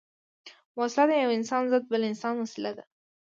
وسله د یو انسان ضد بل انسان وسيله ده